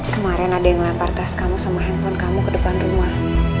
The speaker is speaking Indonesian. kemarin ada yang lempar tas kamu sama handphone kamu ke depan rumah